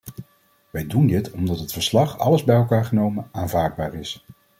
Wij doen dit omdat het verslag alles bij elkaar genomen aanvaardbaar is.